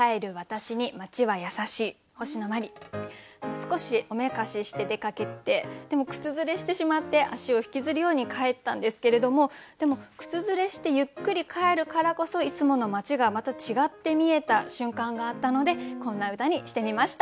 少しおめかしして出かけてでも靴ずれしてしまって足を引きずるように帰ったんですけれどもでも靴ずれしてゆっくり帰るからこそいつもの町がまた違って見えた瞬間があったのでこんな歌にしてみました。